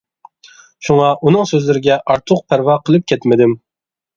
شۇڭا ئۇنىڭ سۆزلىرىگە ئارتۇق پەرۋا قىلىپ كەتمىدىم.